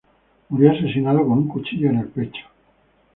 Murió asesinado con un cuchillo en el pecho.